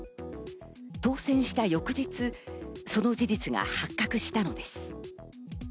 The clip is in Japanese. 当選した翌日、その事実が発覚したのです。